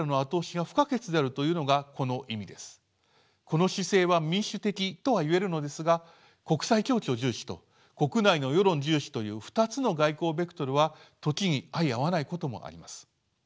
この姿勢は民主的とはいえるのですが国際協調重視と国内の世論重視という２つの外交ベクトルは時に相合わないこともあります。